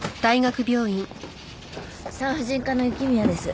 産婦人科の雪宮です。